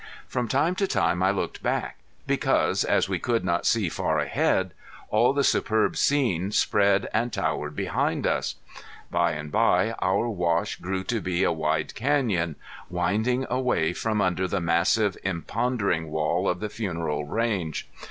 From time to time I looked back, because as we could not see far ahead all the superb scene spread and towered behind us. By and bye our wash grew to be a wide canyon, winding away from under the massive, impondering wall of the Funeral Range.